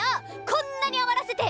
こんなに余らせて！